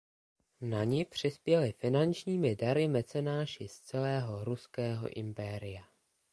Na ni přispěly finančními dary mecenáši z celého Ruského impéria.